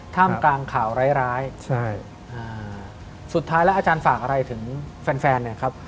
ท่ามกลางข่าวร้ายร้ายใช่อ่าสุดท้ายแล้วอาจารย์ฝากอะไรถึงแฟนแฟนเนี่ยครับ